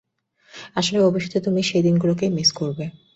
আসলে, ভবিষ্যতে তুমি সেই দিনগুলোকেই মিস করবে।